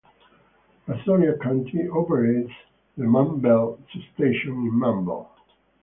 Brazoria County operates the Manvel Substation in Manvel.